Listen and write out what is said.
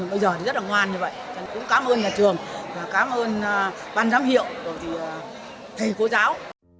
bây giờ thì rất là ngoan như vậy cảm ơn nhà trường và cảm ơn ban giám hiệu thầy cô giáo